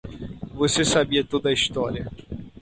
Você sabia toda a história.